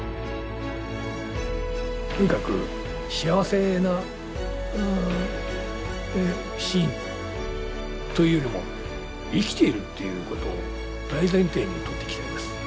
とにかく幸せなシーンというよりも「生きている」っていうことを大前提に撮っていきたいです。